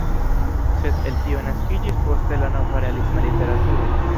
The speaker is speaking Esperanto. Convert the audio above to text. Sed el tio naskiĝis poste la nova realisma literaturo.